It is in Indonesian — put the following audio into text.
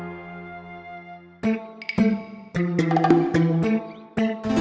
apun nikah muda